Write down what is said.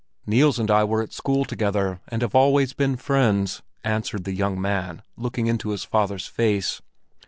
"Niels and I were at school together and have always been friends," answered the young man, looking into his father's face.